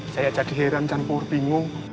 saya jadi heran dan pura pura bingung